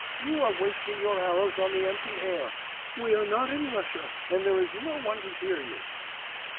'You are wasting your arrows on the empty air.... We are not in Russia, and there is no one to hear you.